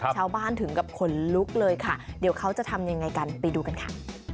ถึงกับขนลุกเลยค่ะเดี๋ยวเขาจะทำยังไงกันไปดูกันค่ะ